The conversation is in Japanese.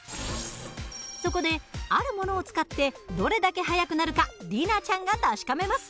そこであるものを使ってどれだけ速くなるか里奈ちゃんが確かめます。